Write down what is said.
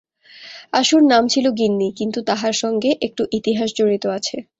আশুর নাম ছিল গিন্নি, কিন্তু তাহার সঙ্গে একটু ইতিহাস জড়িত আছে।